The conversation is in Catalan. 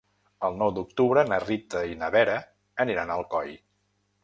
El nou d'octubre na Rita i na Vera aniran a Alcoi.